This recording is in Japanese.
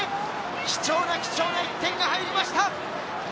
貴重な貴重な１点が入りました！